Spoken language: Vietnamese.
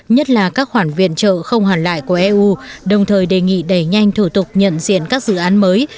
nhất là các khoản viện trợ không hoàn lại của eu đồng thời đề nghị đẩy nhanh thủ tục nhận diện các dự án mới